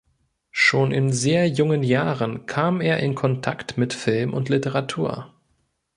Schon in sehr jungen Jahren kam er in Kontakt mit Film und Literatur.